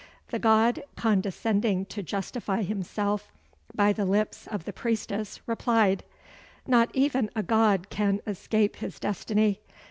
The god, condescending to justify himself by the lips of the priestess, replied: "Not even a god can escape his destiny.